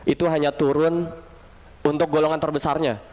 itu hanya turun untuk golongan terbesarnya